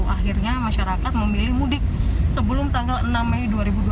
akhirnya masyarakat memilih mudik sebelum tanggal enam mei dua ribu dua puluh